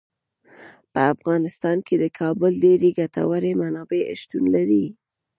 په افغانستان کې د کابل ډیرې ګټورې منابع شتون لري.